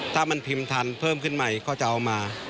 ถ้ามันพิมพ์ทันเพิ่มขึ้นใหม่ก็จะเอามา